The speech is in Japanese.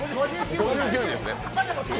５９人です。